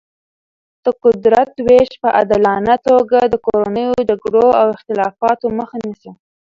د قدرت ویش په عادلانه توګه د کورنیو جګړو او اختلافاتو مخه نیسي.